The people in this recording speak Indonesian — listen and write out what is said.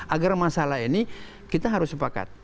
agar masalah ini kita harus sepakat